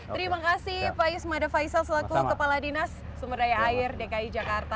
terima kasih pak yusma davaisal selaku kepala dinas sumberdaya air dki jakarta